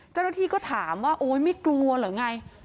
เจ้าหน้าที่ก็ถามว่าโอ๊ยไม่กลัวเหรอไง